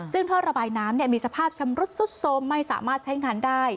ซึ่งท่อระบายน้ำมีสภาพชำรุดสุดโทรมไม่สามารถใช้งานได้